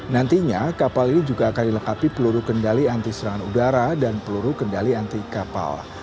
nantinya kapal ini juga akan dilengkapi peluru kendali anti serangan udara dan peluru kendali anti kapal